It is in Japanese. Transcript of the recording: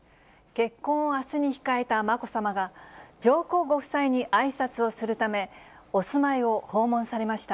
結婚をあすに控えたまこさまが、上皇ご夫妻にあいさつをするため、お住まいを訪問されました。